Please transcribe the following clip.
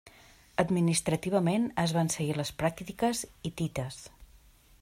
Administrativament es van seguir les pràctiques hitites.